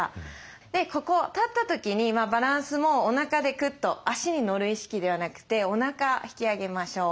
でここ立った時にバランスもおなかでクッと足に乗る意識ではなくておなか引き上げましょう。